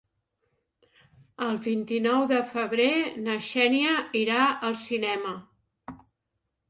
El vint-i-nou de febrer na Xènia irà al cinema.